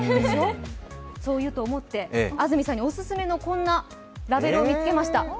そう言うと思って、安住さんにお勧めの、こんなラベルを見つけました。